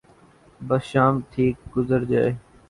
بس شام ٹھیک گزر جائے۔